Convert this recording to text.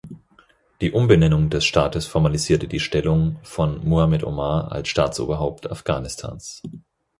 Die Umbenennung des Staates formalisierte die Stellung von Muhammad Omar als Staatsoberhaupt Afghanistans.